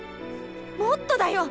もっとだよ！